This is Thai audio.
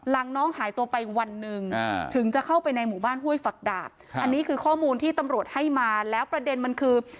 น้องหายตัวไปวันหนึ่งถึงจะเข้าไปในหมู่บ้านห้วยฝักดาบอันนี้คือข้อมูลที่ตำรวจให้มาแล้วประเด็นมันคือ